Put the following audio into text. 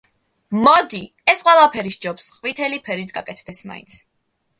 მოდი, ეს ყველაფერი ჯობს ყვითელი ფერით გაკეთდეს მაინც.